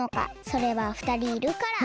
それはふたりいるから！